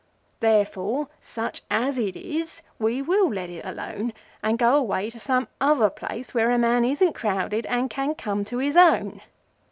Therefore, such as it is, we will let it alone, and go away to some other place where a man isn't crowded and can come to his own.